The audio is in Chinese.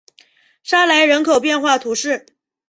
沙莱人口变化图示